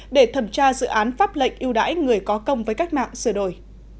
để thẩm tra dự án pháp lệnh yêu đáy người có công với cách mạng sửa đổi